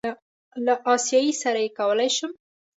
له آسیایي سره یې کولی شم.